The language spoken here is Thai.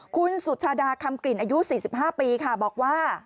คุณสุชาดาคำกลิ่นอายุ๔๕ปีค่ะบอกว่า